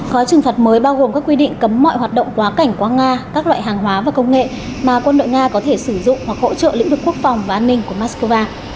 gói trừng phạt mới bao gồm các quy định cấm mọi hoạt động quá cảnh qua nga các loại hàng hóa và công nghệ mà quân đội nga có thể sử dụng hoặc hỗ trợ lĩnh vực quốc phòng và an ninh của moscow